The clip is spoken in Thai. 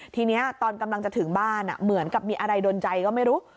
ทีนี้ตอนกำลังจะถึงบ้านเหมือนกับมีอะไรโดนใจก็ไม่รู้